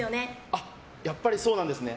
あっ、やっぱりそうなんですね。